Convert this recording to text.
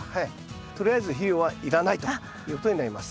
とりあえず肥料はいらないということになります。